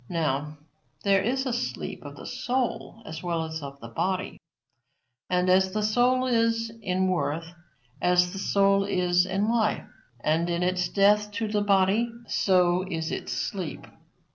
Now, there is a sleep of the soul as well as of the body. And as the soul is in worth, as the soul is in its life and in its death to the body, so is its sleep.